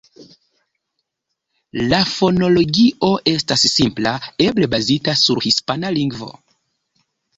La fonologio estas simpla, eble bazita sur hispana lingvo.